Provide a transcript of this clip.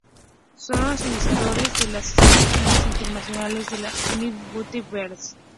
Son los iniciadores de las exposiciones internacionales de los United Buddy Bears.